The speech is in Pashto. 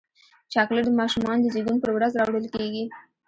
چاکلېټ د ماشومانو د زیږون پر ورځ راوړل کېږي.